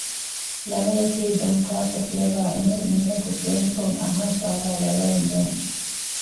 ލަވަޔަކީ ދޮންކާފަ ފިޔަވައި އެހެން މީހަކު ކިޔަނިކޮށް އަހައިފައިވާ ލަވައެއް ނޫން